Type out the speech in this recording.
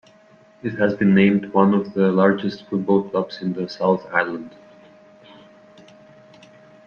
It has been named one of the largest football clubs in the South Island.